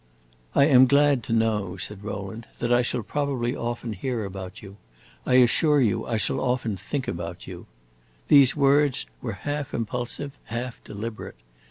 "I am glad to know," said Rowland, "that I shall probably often hear about you. I assure you I shall often think about you!" These words were half impulsive, half deliberate.